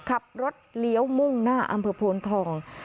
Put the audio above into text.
ขับรถเลี้ยวมุ่งหน้าอำเภอโพนทอง